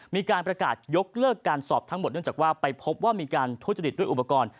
มีการประกาศยกเลิกการสอบทั้งหมดเนื่องจากว่าไปพบว่ามีการทุจริตด้วยอุปกรณ์